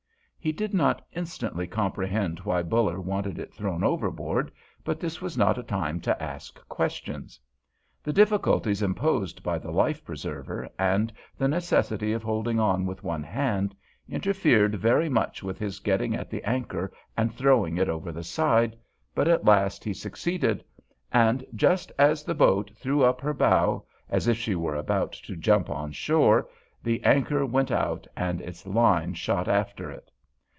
He did not instantly comprehend why Buller wanted it thrown overboard, but this was not a time to ask questions. The difficulties imposed by the life preserver, and the necessity of holding on with one hand, interfered very much with his getting at the anchor and throwing it over the side, but at last he succeeded, and just as the boat threw up her bow as if she were about to jump on shore, the anchor went out and its line shot after it.